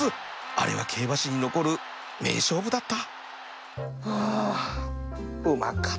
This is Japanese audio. あれは競馬史に残る名勝負だったはあうまかった。